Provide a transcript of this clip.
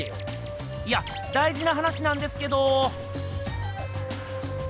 いやだいじな話なんですけど！